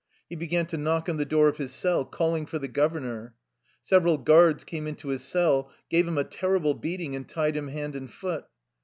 He began to knock on the door of his cell, calling for the governor. Several guards came into his cell, gave him a terrible beating, and tied him hand and foot.